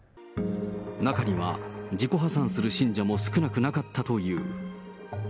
中には、自己破産する信者も少なくなかったという。